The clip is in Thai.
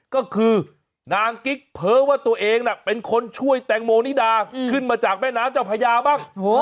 ก็คือนางกิ๊กเผลอว่าตัวเองเป็นคนช่วยแตงโมนิดาขึ้นมาจากแม่น้ำเจ้าพญาบ้าง